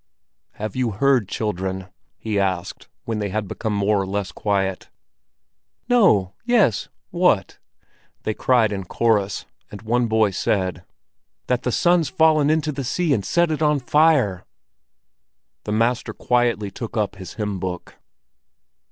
"Have you heard, children?" he asked, when they had become more or less quiet. "No! Yes! What?" they cried in chorus; and one boy said: "That the sun's fallen into the sea and set it on fire!" The master quietly took up his hymn book.